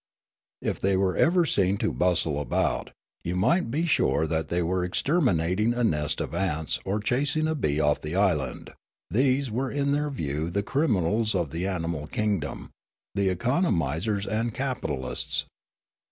If they were ever seen to bustle about, you might be sure that they were exterminating a nest of ants or chasing a bee off the island ; these were in their view the criminals of the animal kingdom, the economisers and capitalists.